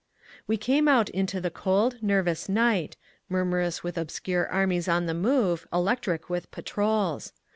We came out into the cold, nervous night, murmurous with obscure armies on the move, electric with patrols.